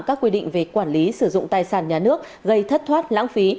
các quy định về quản lý sử dụng tài sản nhà nước gây thất thoát lãng phí